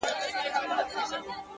o وه ه ژوند به يې تياره نه وي ـ